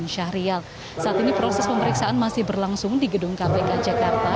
saat ini proses pemeriksaan masih berlangsung di gedung kpk jakarta